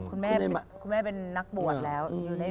คุณแม่เป็นนักบวชแล้ว